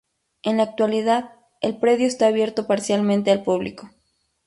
En la actualidad, el predio está abierto parcialmente al público.